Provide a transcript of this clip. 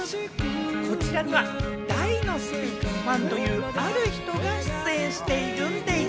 こちらには大のスピッツファンというある人が出演しているんでぃす。